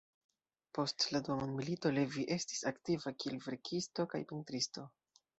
Post la dua mondmilito Levi estis aktiva kiel verkisto kaj pentristo.